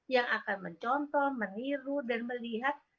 yang akan mencontoh meniru dan melihat